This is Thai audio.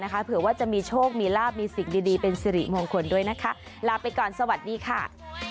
เผื่อว่าจะมีโชคมีลาบมีสิ่งดีเป็นสิริมงคลด้วยนะคะลาไปก่อนสวัสดีค่ะ